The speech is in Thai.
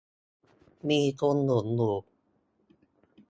มีทุนหนุนอยู่